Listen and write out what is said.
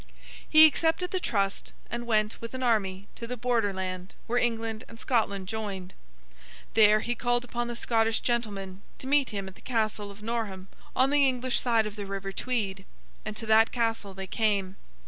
He accepted the trust, and went, with an army, to the Border land where England and Scotland joined. There, he called upon the Scottish gentlemen to meet him at the Castle of Norham, on the English side of the river Tweed; and to that Castle they came.